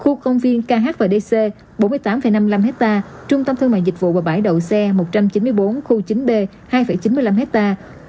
khu công viên khmdc bốn mươi tám năm mươi năm hectare trung tâm thương mại dịch vụ và bãi đậu xe một trăm chín mươi bốn khu chín b hai chín mươi năm hectare